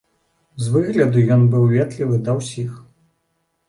З выгляду ён быў ветлівы да ўсіх.